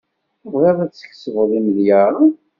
Tebɣiḍ ad tkesbeḍ imelyaṛen.